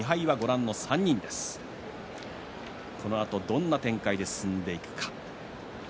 このあと、どんな展開で進んでいくか。